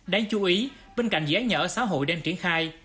đáng chú ý bên cạnh dự án nhà ở xã hội đang triển khai